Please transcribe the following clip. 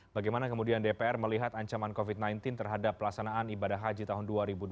bagaimana kemudian dpr melihat ancaman covid sembilan belas terhadap pelaksanaan ibadah haji tahun dua ribu dua puluh